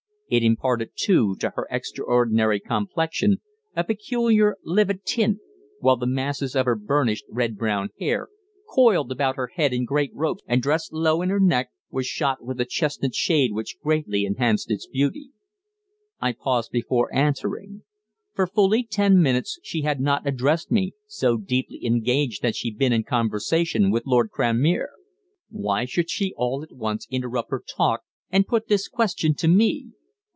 It imparted, too, to her extraordinary complexion a peculiar, livid tint, while the masses of her burnished, red brown hair, coiled about her head in great ropes and dressed low in her neck, was shot with a chestnut shade which greatly enhanced its beauty. I paused before answering. For fully ten minutes she had not addressed me, so deeply engaged had she been in conversation with Lord Cranmere. Why should she all at once interrupt her talk and put this question to me?